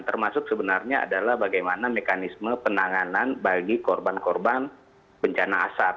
termasuk sebenarnya adalah bagaimana mekanisme penanganan bagi korban korban bencana asap